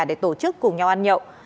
để tổ chức cùng nhau ăn nhậu